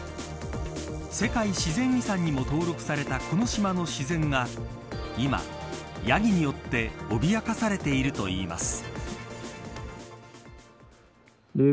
世界自然遺産にも登録されたこの島の自然が今、ヤギによって脅かされているといいます。